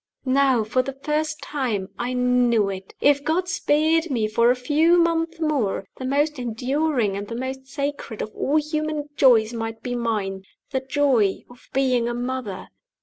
Now, for the first time, I knew it! If God spared me for a few months more, the most enduring and the most sacred of all human joys might be mine the joy of being a mother.